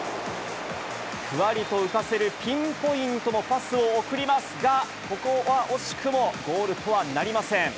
ふわりと浮かせるピンポイントのパスを送りますが、ここは惜しくもゴールとはなりません。